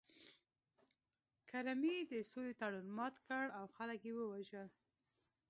کرمي د سولې تړون مات کړ او خلک یې ووژل